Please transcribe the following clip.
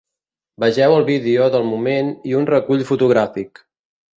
Vegeu el vídeo del moment i un recull fotogràfic.